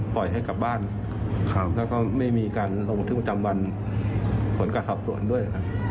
ปล่อยให้กลับบ้านแล้วก็ไม่มีการลงทึกประจำวันผลการสอบสวนด้วยครับ